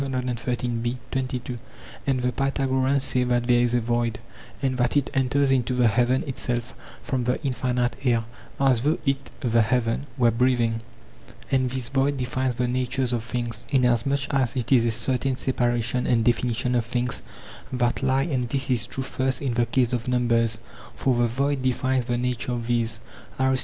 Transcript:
And the Pythagoreans say that there is a void, and that it enters into the heaven itself from the infinite air, as though it (the heaven) were breathing; and this void defines the natures of things, inasmuch as it is a certain separation and definition of things that lie together; and this is true first in the case of numbers, for the void defines the nature of these.